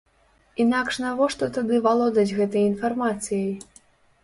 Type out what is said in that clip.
Інакш навошта тады валодаць гэтай інфармацыяй?